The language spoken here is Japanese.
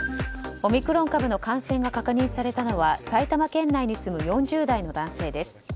オミクロン株の感染が確認されたのは埼玉県内に住む４０代の男性です。